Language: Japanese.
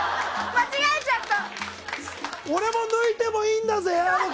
間違えちゃった！